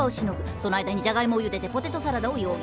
その間にジャガイモをゆでてポテトサラダを用意。